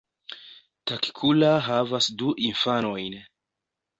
Takkula havas du infanojn.